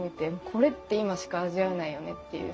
これって今しか味わえないよねっていう。